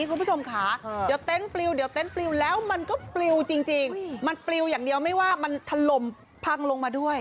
คุณผู้ชมค่ะเดี๋ยวเต็นต์ปลิวเดี๋ยวเต็นต์ปลิวแล้วมันก็ปลิวจริงมันปลิวอย่างเดียวไม่ว่ามันถล่มพังลงมาด้วย